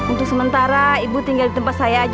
untuk sementara ibu tinggal di tempat saya aja